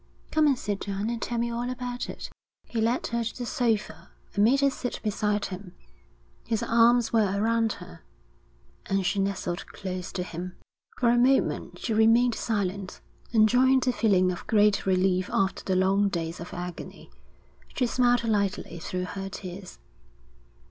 'Come and sit down and tell me all about it.' He led her to the sofa and made her sit beside him. His arms were around her, and she nestled close to him. For a moment she remained silent, enjoying the feeling of great relief after the long days of agony. She smiled lightly through her tears.